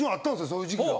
そういう時期が。